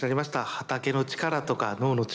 畑の力とか農の力